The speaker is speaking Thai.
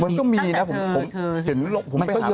มันก็มีนะผมเห็นโรคอยู่หาคุณหมอ